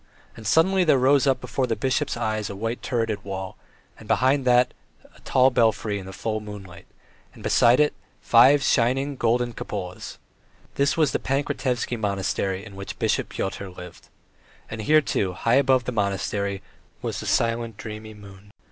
And suddenly there rose up before the bishop's eyes a white turreted wall, and behind it a tall belfry in the full moonlight, and beside it five shining, golden cupolas: this was the Pankratievsky Monastery, in which Bishop Pyotr lived. And here, too, high above the monastery, was the silent, dreamy moon.